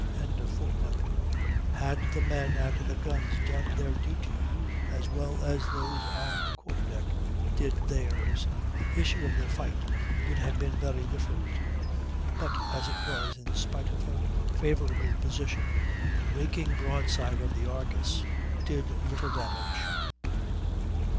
]; had the men at the guns done their duty as well as those on the quarter deck did theirs, the issue of the fight would have been very different; but, as it was, in spite of her favorable position, the raking broadside of the Argus did little damage.